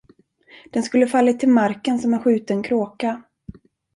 Den skulle fallit till marken som en skjuten kråka.